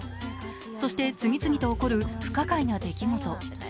そして次々と起こる不可解な出来事。